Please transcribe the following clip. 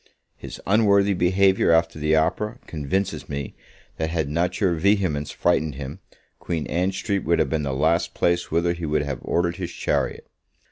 His unworthy behaviour after the opera, convinces me, that, had not your vehemence frightened him, Queen Ann Street would have been the last place whither he would have ordered his chariot.